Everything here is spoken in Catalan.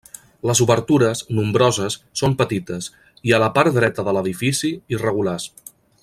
Les obertures, nombroses, són petites i, a la part dreta de l'edifici, irregulars.